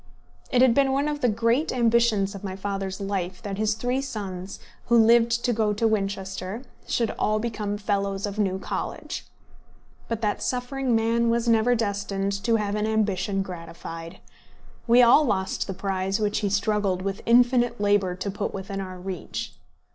It had been one of the great ambitions of my father's life that his three sons, who lived to go to Winchester, should all become fellows of New College. But that suffering man was never destined to have an ambition gratified. We all lost the prize which he struggled with infinite labour to put within our reach.